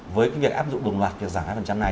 với cái việc áp dụng đồng loạt việc giảm hai này